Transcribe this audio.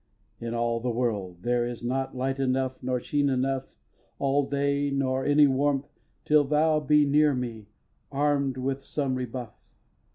In all the world there is not light enough Nor sheen enough, all day, nor any warmth, Till thou be near me, arm'd with some rebuff!